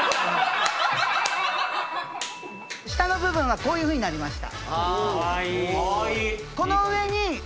下の部分はこういうふうになりました